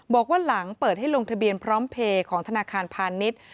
บอกว่าหลังเปิดให้ลงทะเบียนพร้อมเพลย์ของธนาคารพาณิชย์